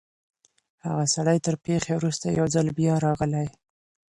هغه سړی تر پېښي وروسته یو ځل بیا راغلی.